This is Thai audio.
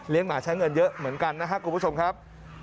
เลี้ยงหมาใช้เงินเยอะเหมือนกันนะครับกรุณผู้ผู้ชมครับ